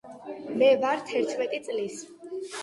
მე ვარ თერთმეტი წლის